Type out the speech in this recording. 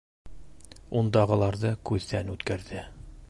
Ундағыларҙы күҙҙән үткәрҙе.